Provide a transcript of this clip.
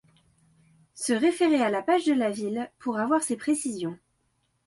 Se référer à la page de la ville pour avoir ces précisions.